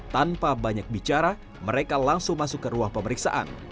tanpa banyak bicara mereka langsung masuk ke ruang pemeriksaan